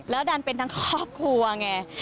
ดันเป็นทั้งครอบครัวไง